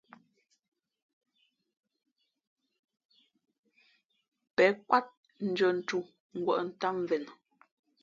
Pěn kwát ndʉ̄ᾱ ntū ngwᾱʼ ntám mvēnα.